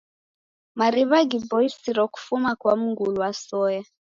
Mariw'a ghiboisiro kufuma kwa mngulu wa soya.